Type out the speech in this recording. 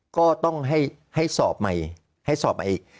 ก็ต้องให้ให้สอบใหม่ให้สอบใหม่